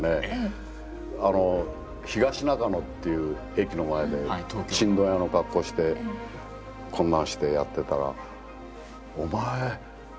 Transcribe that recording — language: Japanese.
あの東中野っていう駅の前でチンドン屋の格好してこんなんしてやってたら「お前邦衛じゃねえか」